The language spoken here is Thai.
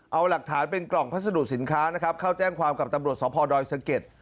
เอาหลักฐานเป็นกล่องพัสดุสินค้านะครับเข้าแจ้งความกับตำรวจสพดอยสะเก็ด